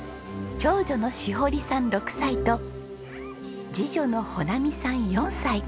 長女の汐帆里さん６歳と次女の帆菜海さん４歳。